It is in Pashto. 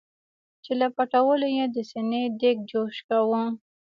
چې له پټولو یې د سینې دیګ جوش کاوه.